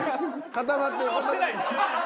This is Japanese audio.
固まってる。